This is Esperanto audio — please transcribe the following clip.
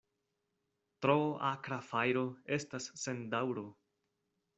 Tro akra fajro estas sen daŭro.